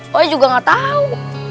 gue juga gak tahu